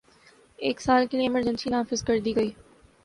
ایک سال کے لیے ایمرجنسی نافذ کر دی گئی